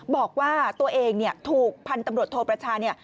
บอกว่าตัวเองถูกพันธุ์ตำรวจโทประชาเนี่ย